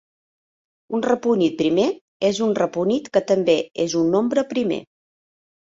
Un repunit primer és un repunit que també és un nombre primer.